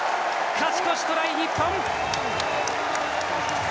勝ち越しトライ、日本！